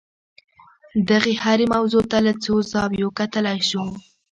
دغې هرې موضوع ته له څو زاویو کتلای شو.